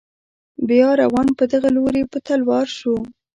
بیا روان په دغه لوري په تلوار شو.